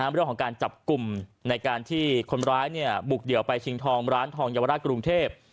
เรื่องของการจับกลุ่มในการที่คนร้ายบุกเดี่ยวไปชิงทองร้านทองเยาวราชกรุงเทพ